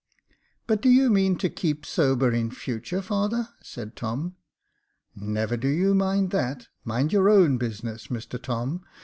But do you mean to keep sober in future, father ?" said Tom. "Never do you mind that — mind your own business, Mr Tom.